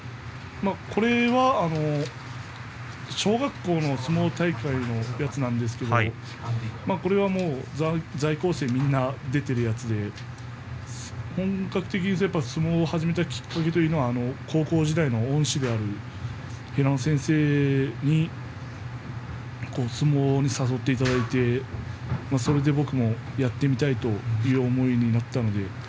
これは小学校の相撲大会のやつなんですけど在校生みんなが出ているやつで本格的に相撲を始めたきっかけは高校時代の恩師である平野先生に相撲に誘っていただいてそれで僕もやってみたいという思いになりました。